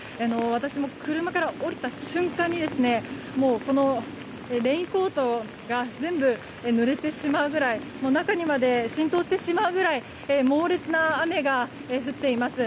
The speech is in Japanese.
私、車から降りた瞬間にレインコートが全部濡れてしまうくらい中にまで浸透してしまうぐらい猛烈な雨が降っています。